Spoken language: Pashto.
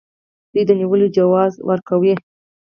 دوی د نیولو جواز ورکوي.